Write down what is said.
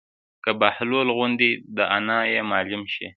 که بهلول غوندې دانا ئې معلم شي